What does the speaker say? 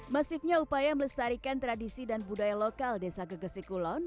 masifnya upaya melestarikan tradisi dan budaya lokal desa gegesi kulon